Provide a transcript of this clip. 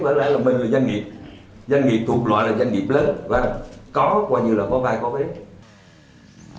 và lại là mình là doanh nghiệp doanh nghiệp thuộc loại là doanh nghiệp lớn và có qua như là có vai có bế